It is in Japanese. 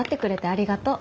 ありがとう。